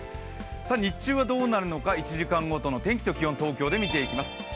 日中はどうなるのか、１時間ごとの天気と気温東京で見ていきます。